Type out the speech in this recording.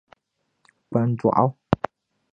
kpan'dɔɣu.